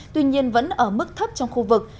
tuy nhiên vẫn ở mức thấp trong khu vực